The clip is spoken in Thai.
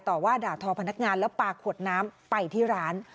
ต่อว่าด่าทอพนักงานแล้วปลาขวดน้ำไปที่ร้าน